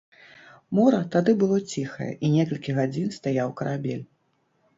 Мора тады было ціхае, і некалькі гадзін стаяў карабель.